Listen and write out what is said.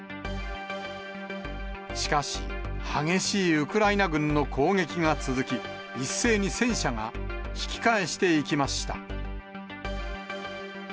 しかし、激しいウクライナ軍の攻撃が続き、一斉に戦車が引き返していきました。